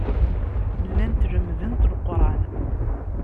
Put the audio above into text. Llant lemmdent Leqran.